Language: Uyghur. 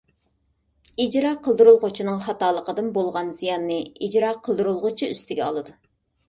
ئىجرا قىلدۇرۇلغۇچىنىڭ خاتالىقىدىن بولغان زىياننى ئىجرا قىلدۇرۇلغۇچى ئۈستىگە ئالىدۇ.